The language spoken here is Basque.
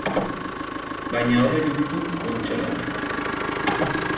Baina horrek ez ditu kontsolatzen.